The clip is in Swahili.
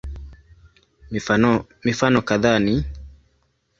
Mifano kadhaa ni